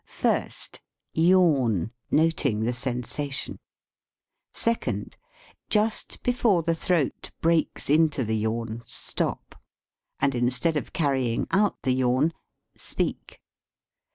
First. Yawn, noting the sensation. Second. Just before the throat breaks into the yawn, stop, and, instead of carrying out the yawn, speak.